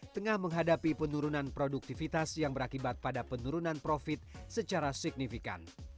tengah menghadapi penurunan produktivitas yang berakibat pada penurunan profit secara signifikan